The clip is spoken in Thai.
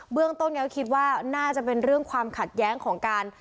เรื่องต้นก็คิดว่าน่าจะเป็นเรื่องความขัดแย้งของการ